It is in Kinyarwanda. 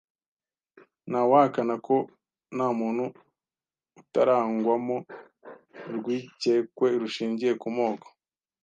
Ntawahakana ko nta muntu utarangwamo urwikekwe rushingiye ku moko